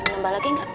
mau menambah lagi gak